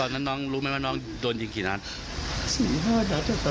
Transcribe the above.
หรือเปิด๓๑